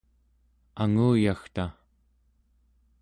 anguyagta